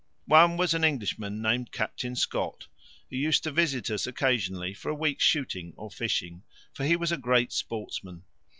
One was an Englishman named Captain Scott, who used to visit us occasionally for a week's shooting or fishing, for he was a great sportsman.